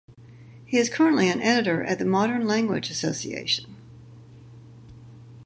He is currently an editor at the Modern Language Association.